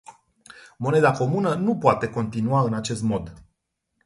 Moneda comună nu poate continua în acest mod.